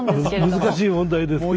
難しい問題ですけど。